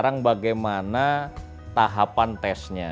nah apa tahapan tesnya